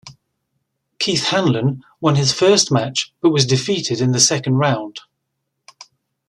Keith Hanlon won his first match, but was defeated in the second round.